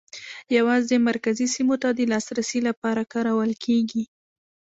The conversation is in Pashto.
یوازې مرکزي سیمو ته د لاسرسي لپاره کارول کېږي.